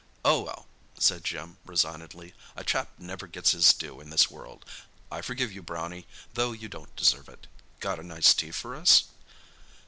"Oh, well," said Jim resignedly, "a chap never gets his due in this world. I forgive you, Brownie, though you don't deserve it. Got a nice tea for us?"